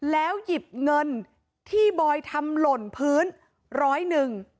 แล้วหยิบเงินที่บอยทำหล่นพื้นร้อยหนึ่ง